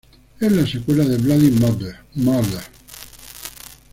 Es la secuela de Bloody Murder.